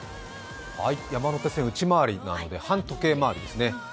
山手線、内回りなので反時計回りですね。